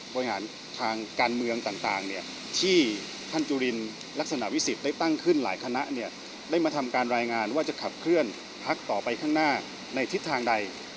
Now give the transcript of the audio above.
บริหารทางการเมืองต่างที่ท่านจุลินลักษณะวิสิทธิ์ได้ตั้งขึ้นหลายคณะได้มาทำการรายงานว่าจะขับเคลื่อนพักต่อไปข้างหน้าในทิศทางใด